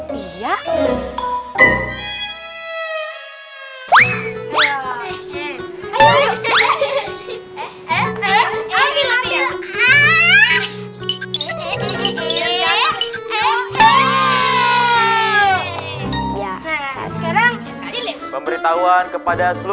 mister sergi juga kumpul